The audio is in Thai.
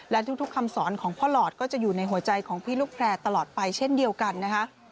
และทุกคำสอนของพ่อหลอดก็จะอยู่ในหัวใจของพี่ลูกแพร่ตลอดไปเช่นเดียวกันนะคะ